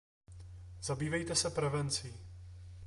Zabývejte se prevencí.